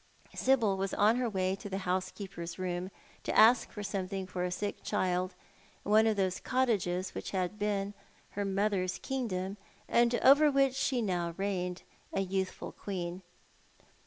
Sibyl was on her way to the housekeeper's room, to ask for something for a sick child in one of those cottages which had been her mother's kingdom, and over which she now reigned, a youthful queen.